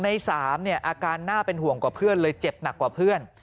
ใน๓เนี่ยอาการน่าเป็นห่วงกว่าเพื่อนเลยเจ็บหนักกว่าเพื่อน